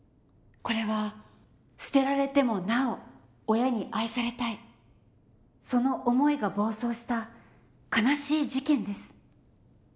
これは捨てられてもなお親に愛されたいその思いが暴走した悲しい事件です。